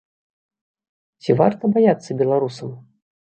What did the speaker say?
Ці варта баяцца беларусам?